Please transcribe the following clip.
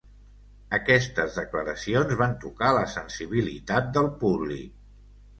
Aquestes declaracions van tocar la sensibilitat del públic.